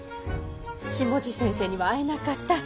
下地先生には会えなかった。